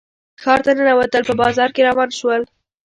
ښار ته ننوتل په بازار کې روان شول.